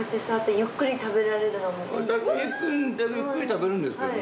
ゆっくり食べるんですけどね